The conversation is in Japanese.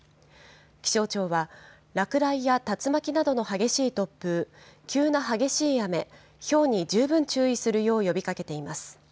気象庁は、落雷や竜巻などの激しい突風、急な激しい雨、ひょうに十分注意するよう呼びかけています。